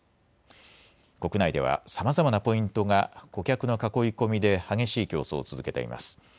国内ではさまざまなポイントが顧客の囲い込みで激しい競争を続けています。